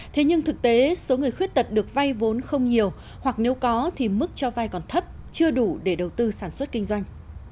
thế nhưng thực tế số người khuyết tật được vay vốn không nhiều hoặc nếu có thì mức cho vay còn thấp chưa đủ để đầu tư sản xuất kinh doanh